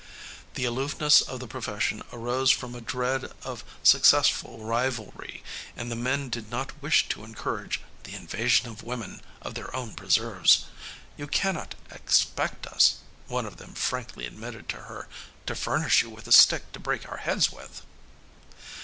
The aloofness of the profession arose from a dread of successful rivalry, and the men did not wish to encourage "the invasion by women of their own preserves." "You cannot expect us," one of them frankly admitted to her, "to furnish you with a stick to break our heads with."